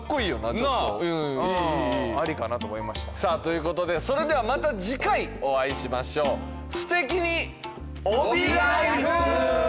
ちょっとうんいいいいいいありかなと思いましたさあということでそれではまた次回お会いしましょうすてきに帯らいふ！